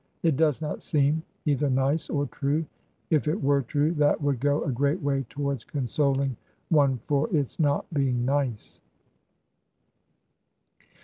It does not seem either nice or true ; if it were true, that would go a great way towards consoling one for its not being nice.